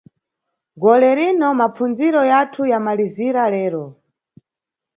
Golerino, mapfundziro yathu yamʼmalizira lero.